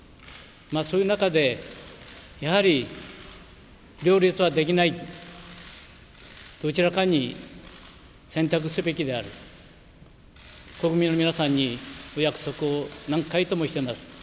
そういう中で、やはり両立はできない、どちらかに選択すべきである、国民の皆さんにお約束を何回ともしています。